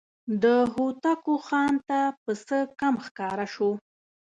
د هوتکو خان ته پسه کم ښکاره شو.